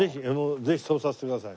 ぜひそうさせてください。